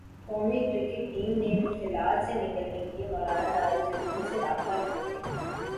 قومی cricket team نے مشکلات سے نکلنے کیلئے مولانا طارق جمیل سے رابطہ کرلیا